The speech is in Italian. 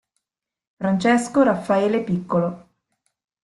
Francesco Raffaele Piccolo